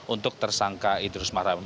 untuk tersangka idrus marham